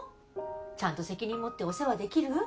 ちゃんと責任持ってお世話できる？